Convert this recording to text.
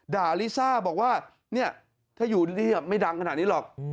ลิซ่าบอกว่าเนี่ยถ้าอยู่นี่ไม่ดังขนาดนี้หรอก